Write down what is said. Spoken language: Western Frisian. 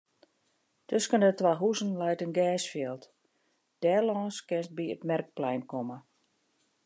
Tusken de twa huzen leit in gersfjild; dêrlâns kinst by it merkplein komme.